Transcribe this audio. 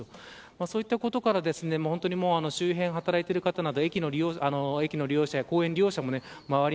そういったことから周辺で働いてる方など駅の利用者、公園の利用者も周り